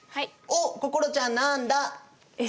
おっこころちゃんなんだ！